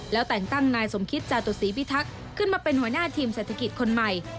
แล้วแต่งตั้งนายสมคิตจาตุศีพิทักษ์ขึ้นมาเป็นหัวหน้าทีมเศรษฐกิจคนใหม่